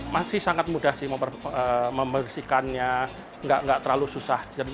masih sangat mudah sih membersihkannya nggak terlalu susah